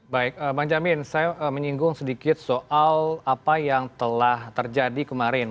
baik bang jamin saya menyinggung sedikit soal apa yang telah terjadi kemarin